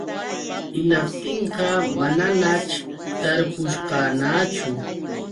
Hinaptinqa manañaćh tarpushqaañachu.